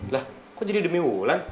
lah kok jadi demi wulan